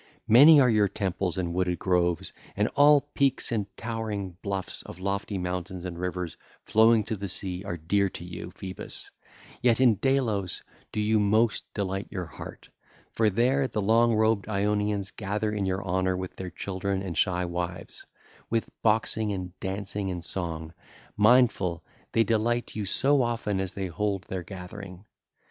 Many are your temples and wooded groves, and all peaks and towering bluffs of lofty mountains and rivers flowing to the sea are dear to you, Phoebus, yet in Delos do you most delight your heart; for there the long robed Ionians gather in your honour with their children and shy wives: mindful, they delight you with boxing and dancing and song, so often as they hold their gathering.